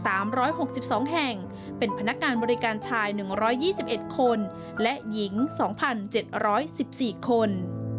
บาร์เบียร์๒๖๑๒แห่งเป็นพนักงานบริการชาย๑๒๑คนหญิง๒๗๑๔คน